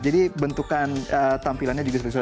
jadi bentukan tampilannya juga seperti surat